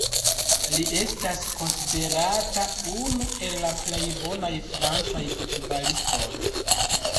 Li estas konsiderata unu el la plej bonaj francaj futbalistoj.